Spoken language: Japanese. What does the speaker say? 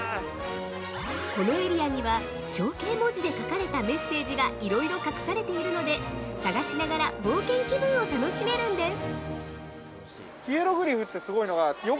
◆このエリアには、象形文字で書かれたメッセージがいろいろ隠されているので探しながら冒険気分を楽しめるんです。